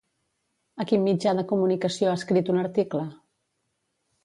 A quin mitjà de comunicació ha escrit un article?